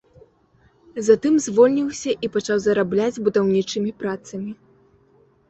Затым звольніўся і пачаў зарабляць будаўнічымі працамі.